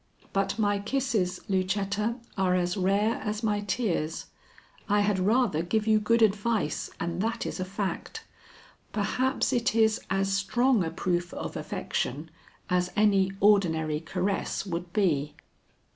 But my kisses, Lucetta, are as rare as my tears. I had rather give you good advice, and that is a fact. Perhaps it is as strong a proof of affection as any ordinary caress would be."